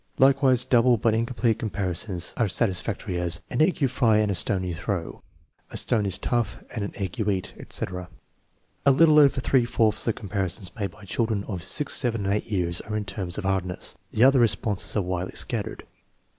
Likewise double but incomplete TEST NO. VII, 5 201 comparisons are satisfactory; as, "An egg you fry and a stone you throw," "A stone is tough and an egg you eat," etc. A little over three fourths of the comparisons made by children of 6, 7, and 8 years are in terms of hardness. The other responses are widely scattered.